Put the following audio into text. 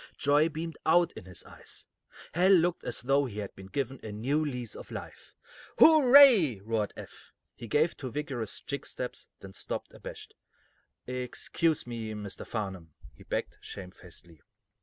Joy beamed out in his eyes. Hal looked as though he had been given a new lease of life. "Hooray!" roared Eph. He gave two vigorous jig steps, then stopped, abashed. "Excuse me, Mr. Farnum," he begged, shamefacedly.